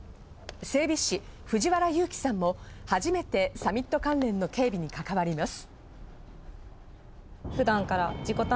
整備士・藤原有希さんも初めてサミット関連の警備に関わります。